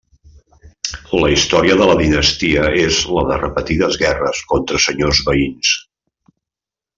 La història de la dinastia és la de repetides guerres contra senyors veïns.